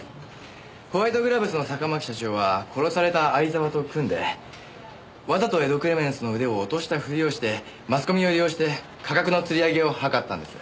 ホワイトグラブズの坂巻社長は殺された相沢と組んでわざと『エド・クレメンスの腕』を落としたふりをしてマスコミを利用して価格のつり上げを謀ったんです。